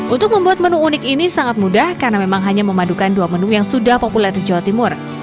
untuk membuat menu unik ini sangat mudah karena memang hanya memadukan dua menu yang sudah populer di jawa timur